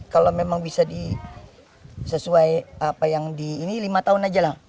kalau memang bisa di sesuai apa yang di ini lima tahun aja lah